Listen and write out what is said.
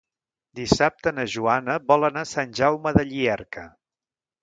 Dissabte na Joana vol anar a Sant Jaume de Llierca.